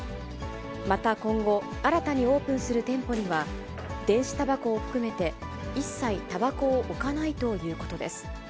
また今後、新たにオープンする店舗には、電子たばこを含めて一切たばこを置かないということです。